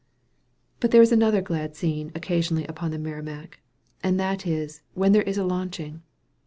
But there is another glad scene occasionally upon the Merrimac and that is, when there is a launching.